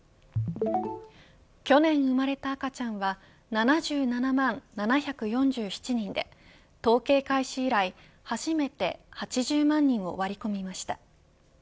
去年生まれた赤ちゃんは７７万７４７人で統計開始以来初めて８０万人を割り込みました。